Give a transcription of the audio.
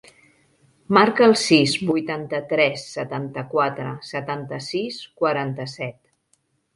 Marca el sis, vuitanta-tres, setanta-quatre, setanta-sis, quaranta-set.